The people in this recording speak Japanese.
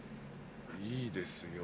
いいですよ。